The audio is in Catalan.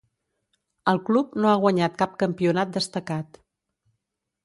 El club no ha guanyat cap campionat destacat.